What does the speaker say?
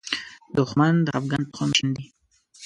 دښمن د خپګان تخم شیندي